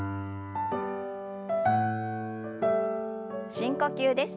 深呼吸です。